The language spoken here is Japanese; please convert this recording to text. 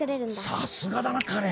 さすがだな花恋！